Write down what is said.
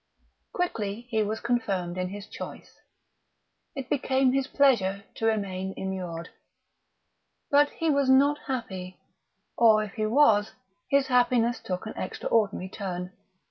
Quickly he was confirmed in his choice. It became his pleasure to remain immured. But he was not happy or, if he was, his happiness took an extraordinary turn.